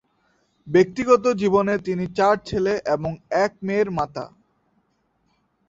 ব্যক্তিগত জীবনে তিনি চার ছেলে এবং এক মেয়ের মাতা।